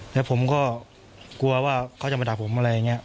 แล้วผมก็กลัวว่าเขาจะมาด่าผมอะไรอย่างนี้